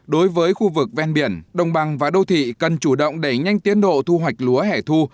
đối với khu vực ven biển đồng bằng và đô thị cần chủ động đẩy nhanh tiến độ thu hoạch lúa hẻ thu